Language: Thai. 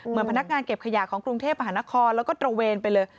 พนักงานเก็บขยะของกรุงเทพมหานครแล้วก็ตระเวนไปเลย